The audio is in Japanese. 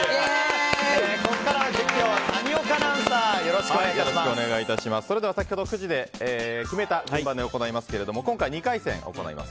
ここからの実況は谷岡アナウンサーそれでは先ほどくじで決めた順番で行いますが今回、２回戦行います。